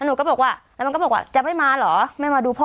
หนูก็บอกว่าแล้วมันก็บอกว่าจะไม่มาเหรอไม่มาดูพ่อ